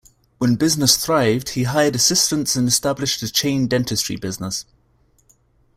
When business thrived, he hired assistants and established a chain dentistry business.